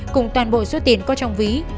cùng toàn bộ số tiền có trong ví